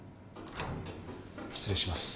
・失礼します。